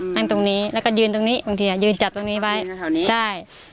นั่งตรงนี้แล้วก็ยืนตรงนี้บางทียังยืนจับตรงนี้ไป